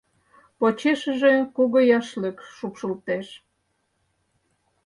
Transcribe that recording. Почешыже кугу яшлык шупшылтеш.